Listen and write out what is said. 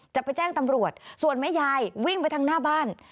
จะไปแจ้งตำรวจส่วนแม่ยายวิ่งไปทางหน้าบ้าน